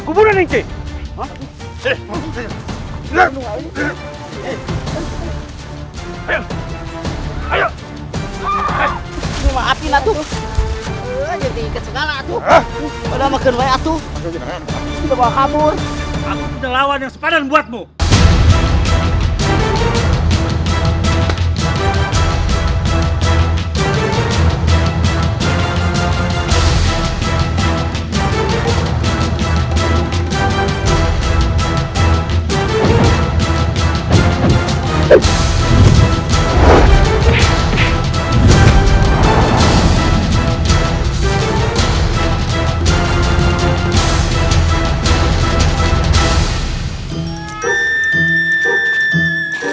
sebelum terjadi apa apa dengannya